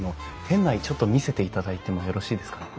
店内ちょっと見せていただいてもよろしいですかね？